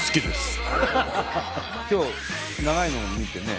今日長いのも見てね